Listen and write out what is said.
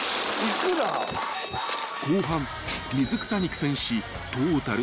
［後半水草に苦戦しトータル